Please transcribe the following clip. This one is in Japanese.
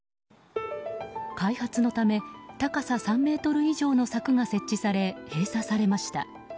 開発のため高さ３ｍ以上の柵が設置され閉鎖されました。